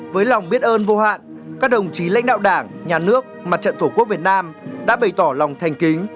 với lòng biết ơn vô hạn các đồng chí lãnh đạo đảng nhà nước mặt trận tổ quốc việt nam đã bày tỏ lòng thành kính